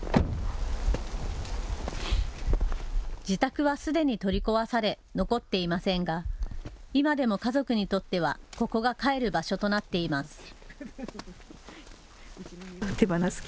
自宅はすでに取り壊され残っていませんが今でも家族にとってはここが帰る場所となっています。